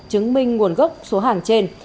chứng minh nguồn gốc số hàng trên